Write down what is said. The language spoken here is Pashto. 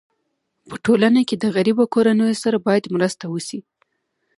په ټولنه کي د غریبو کورنيو سره باید مرسته وسي.